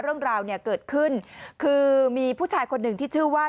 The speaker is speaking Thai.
เรื่องราวเนี่ยเกิดขึ้นคือมีผู้ชายคนหนึ่งที่ชื่อว่า